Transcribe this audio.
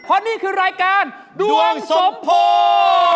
เพราะนี่คือรายการดวงสมโพ